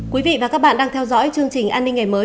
quý vị và các bạn đang theo dõi chương trình an ninh ngày mới